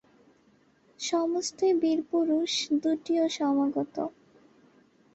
সমস্তই– বীরপুরুষ দুটিও সমাগত।